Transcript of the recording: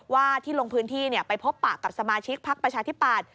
ว่าที่ลงพื้นที่ไปพบปะกับสมาชิกพักประชาธิปัตย